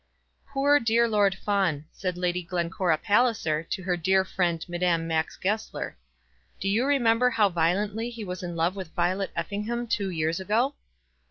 "Poor dear Lord Fawn!" said Lady Glencora Palliser to her dear friend Madame Max Goesler; "do you remember how violently he was in love with Violet Effingham two years ago?"